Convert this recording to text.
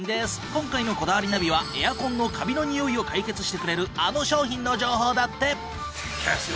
今回の『こだわりナビ』はエアコンのカビの臭いを解決してくれるあの商品の情報だって！